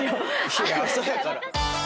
いや朝やから。